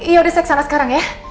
yaudah saya kesana sekarang ya